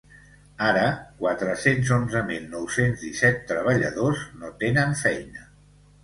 Ara quatre-cents onze mil nou-cents disset treballadors no tenen feina.